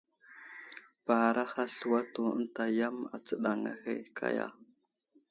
Baaraha slu ənta yam astəɗaŋŋa ahe kaya !